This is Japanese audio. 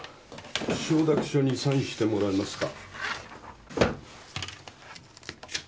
承諾書にサインしてもらえますか？